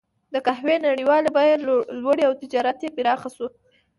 د قهوې نړیوالې بیې لوړې او تجارت یې پراخ شو.